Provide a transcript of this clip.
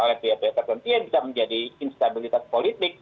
oleh pihak pihak terpenting ya bisa menjadi instabilitas politik